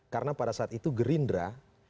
karena pada saat itu gerindra